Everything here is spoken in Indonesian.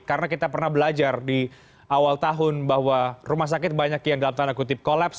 karena kita pernah belajar di awal tahun bahwa rumah sakit banyak yang dalam tanda kutip kolaps